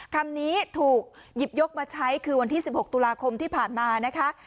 คำนี้ถูกหยิบยกมาใช้คือวันที่๑๖ตุลาคมที่ผ่านมานะคะ